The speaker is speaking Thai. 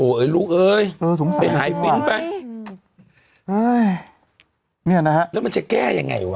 โอ้ยลูกเอ้ยไปหายฟิ้งไปเนี่ยนะฮะแล้วมันจะแก้ยังไงวะ